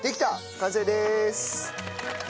完成です。